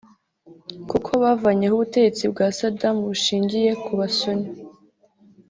kuko bavanyeho ubutegetsi bwa Sadam bushingiye ku ba suni